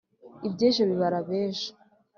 ibyejo bibara abejo